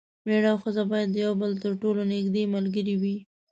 میړه او ښځه باید د یو بل تر ټولو نږدې ملګري وي.